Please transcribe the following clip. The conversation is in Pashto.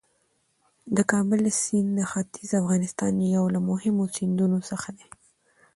د کابل سیند د ختیځ افغانستان یو له مهمو سیندونو څخه دی.